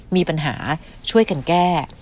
มีปัญหาช่วยกันแก้